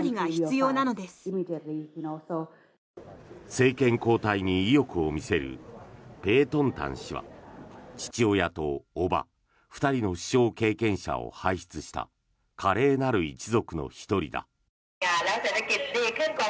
政権交代に意欲を見せるペートンタン氏は父親と叔母２人の首相経験者を輩出した華麗なる一族の１人だ。